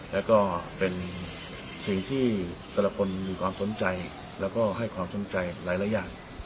แล้วก็เป็นสิ่งที่แต่ละคนมีความสนใจแล้วก็ให้ความสนใจหลายอย่าง